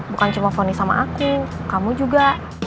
bukan cuma fonis sama aku kamu juga